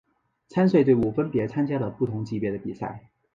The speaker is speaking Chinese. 参赛队伍分别参加了不同级别的比赛。